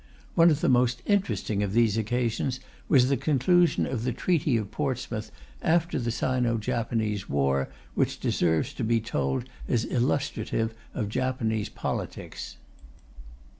One of the most interesting of these occasions was the conclusion of the Treaty of Portsmouth, after the Sino Japanese war, which deserves to be told as illustrative of Japanese politics.